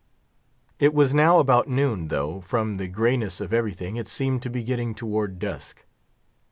It was now about noon, though, from the grayness of everything, it seemed to be getting towards dusk.